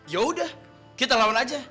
yaudah kita lawan aja